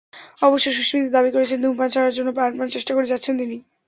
অবশ্য সুস্মিতা দাবি করেছেন, ধূমপান ছাড়ার জন্য প্রাণপণ চেষ্টা করে যাচ্ছেন তিনি।